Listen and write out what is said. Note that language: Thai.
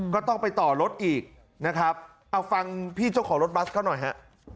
ก็ต้องไปต่อรถอีกนะครับเอาฟังพี่เจ้าของรถบัสเขาหน่อยฮะ